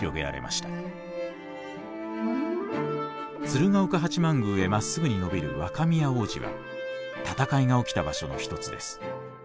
鶴岡八幡宮へまっすぐに延びる若宮大路は戦いが起きた場所の一つです。